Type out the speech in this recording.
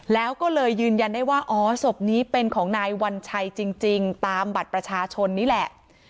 แล้วก็เลยยืนยันได้ว่าอ๋อศพนี้เป็นของนายวัญชัยจริงตามบัตรประชาชนนี่แหละ